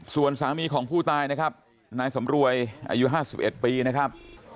ส่วนสามีของผู้ตายนะครับนายสำรวยอายุ๕๑ปีนะครับ